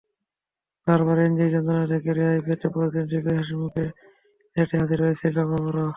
বারবার এনজির যন্ত্রণা থেকে রেহাই পেতে পরদিন ঠিকই হাসিমুখে সেটে হাজির হয়েছিলাম আমরা।